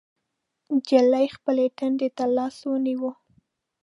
نجلۍ خپل تندي ته لاس ونيو.